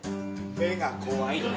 「目が怖いよ」